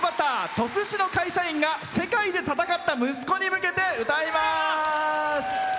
鳥栖市の会社員が世界で戦った息子に向けて歌います。